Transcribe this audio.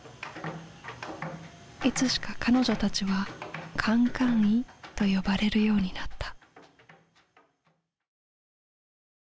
いつしか彼女たちはカンカンイと呼ばれるようになった。